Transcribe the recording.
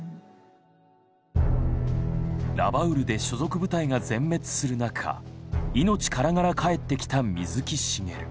ラバウルで所属部隊が全滅する中命からがら帰ってきた水木しげる。